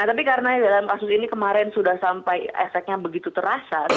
tapi karena dalam kasus ini kemarin sudah sampai efeknya begitu terasa